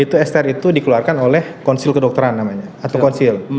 itu str itu dikeluarkan oleh konsil kedokteran